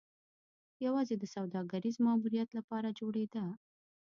یوازې د سوداګریز ماموریت لپاره جوړېده.